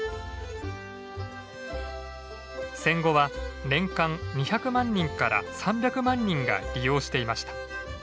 戦後は年間２００万人から３００万人が利用していました。